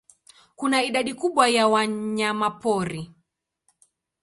Kuna idadi kubwa ya wanyamapori.